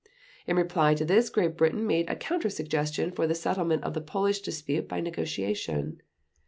In reply to this, Great Britain made a counter suggestion for the settlement of the Polish dispute by negotiation.